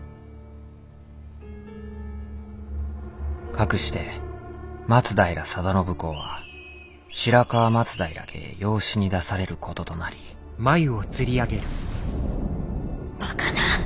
かくして松平定信公は白河松平家へ養子に出されることとなりバカな！